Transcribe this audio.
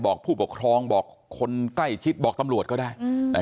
บอกผู้ปกครองบอกคนใกล้ชิดบอกตำรวจก็ได้